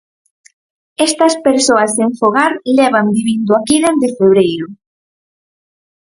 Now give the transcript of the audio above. Estas persoas sen fogar levan vivindo aquí dende febreiro.